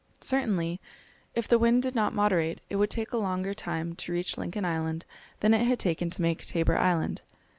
Certainly, if the wind did not moderate, it would take a longer time to reach Lincoln Island than it had taken to make Tabor Island.